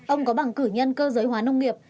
ông có bằng cử nhân cơ giới hóa nông nghiệp